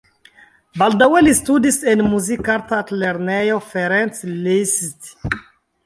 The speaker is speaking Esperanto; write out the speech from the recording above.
Baldaŭe li studis en Muzikarta Altlernejo Ferenc Liszt.